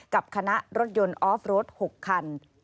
กับคณะรถยนต์ออฟรถ๖คัน